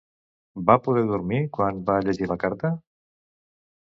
Va poder dormir quan va llegir la carta?